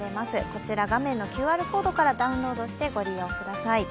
こちら、画面のＱＲコードからダウンロードしてご利用ください。